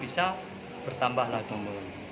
bisa bertambah ratung